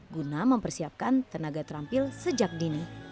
guna mempersiapkan tenaga terampil sejak dini